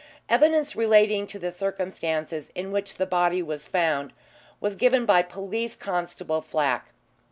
Evidence relating to the circumstances in which the body was found was given by Police Constable Flack.